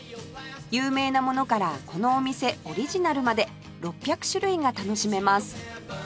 有名なものからこのお店オリジナルまで６００種類が楽しめます